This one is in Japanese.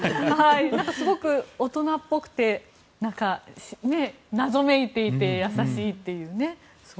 すごく大人っぽくて謎めいていて優しいっていうね。